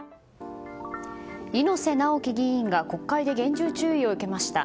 猪瀬直樹議員が国会で厳重注意を受けました。